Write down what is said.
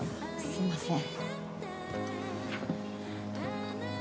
すみません。